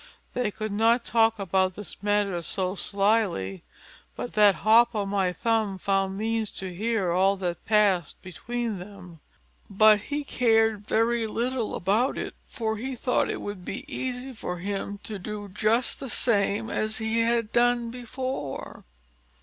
They could not talk about this matter so slily but that Hop o' my thumb found means to hear all that passed between them; but he cared very little about it, for he thought it would be easy for him to do just the same as he had done before.